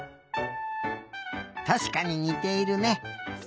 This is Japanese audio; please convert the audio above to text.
たしかににているね。